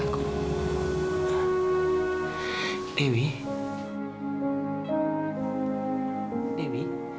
dan selalu berhati hati